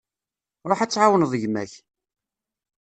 Ruḥ ad tεawneḍ gma-k.